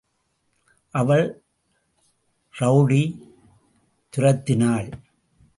அவள் ரெளடி துரத்தினாள்.